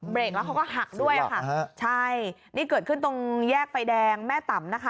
แล้วเขาก็หักด้วยค่ะใช่นี่เกิดขึ้นตรงแยกไฟแดงแม่ต่ำนะคะ